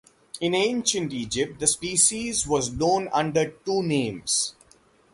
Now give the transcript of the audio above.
In Ancient Egypt the species was known under two names.